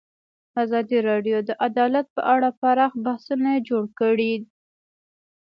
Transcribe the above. ازادي راډیو د عدالت په اړه پراخ بحثونه جوړ کړي.